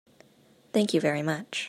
Thank you very much.